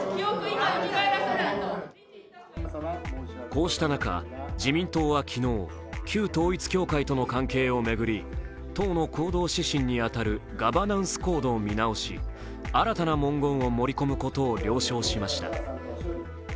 こうした中、自民党は昨日旧統一教会との関係を巡り党の行動指針に当たるガバナンスコードを見直し新たな文言を盛り込むことを了承しました。